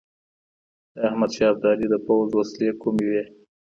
د احمد شاه ابدالي د پوځ وسلې کومي وې؟